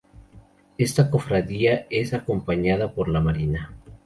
Esta cofradía es acompañada por la Marina.